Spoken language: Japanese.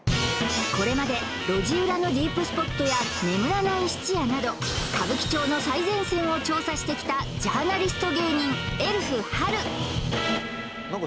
これまで路地裏のディープスポットや眠らない質屋など歌舞伎町の最前線を調査してきたジャーナリスト芸人エルフはる